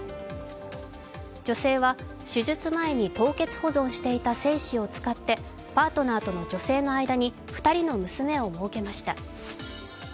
女性は手術前に凍結保存していた精子を使ってパートナーとの女性の間に２人の娘をもうけました。